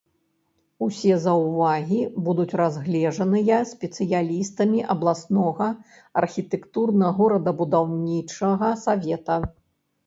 Усе заўвагі будуць разгледжаныя спецыялістамі абласнога архітэктурна-горадабудаўнічага савета.